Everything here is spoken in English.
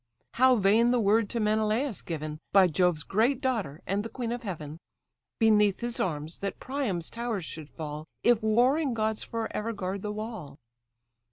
How vain the word to Menelaus given By Jove's great daughter and the queen of heaven, Beneath his arms that Priam's towers should fall, If warring gods for ever guard the wall!